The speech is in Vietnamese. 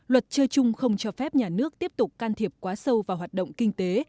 luật chơi chung không cho phép nhà nước tiếp tục can thiệp quá sâu vào hoạt động kinh tế